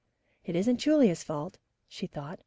"It isn't Julia's fault," she thought.